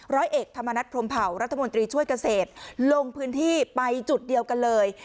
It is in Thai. ร้อยเอกธรรมนัฐพรมเผารัฐมนตรีช่วยเกษตรลงพื้นที่ไปจุดเดียวกันเลย